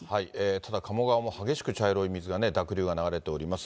ただかも川も激しく茶色い水が、濁流が流れております。